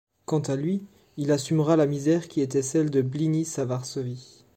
Quant à lui, il assumera la misère qui était celle de Blinis à Varsovie.